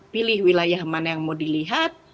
pilih wilayah mana yang mau dilihat